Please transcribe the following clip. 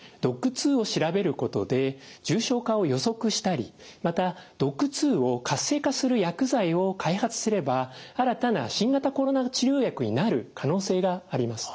ＤＯＣＫ２を調べることで重症化を予測したりまたＤＯＣＫ２を活性化する薬剤を開発すれば新たな新型コロナ治療薬になる可能性があります。